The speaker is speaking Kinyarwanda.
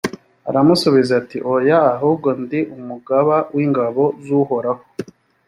aramusubiza ati «oya, ahubwo ndi umugaba w’ingabo z’uhoraho.